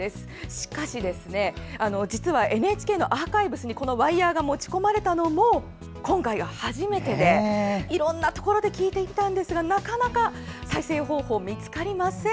しかし、実はＮＨＫのアーカイブスにワイヤーが持ち込まれたのも今回が初めてでいろんなところで聞いてもなかなか再生方法は見つかりません。